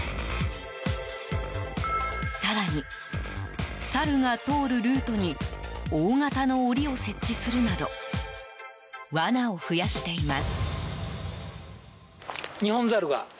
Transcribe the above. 更にサルが通るルートに大型の檻を設置するなど罠を増やしています。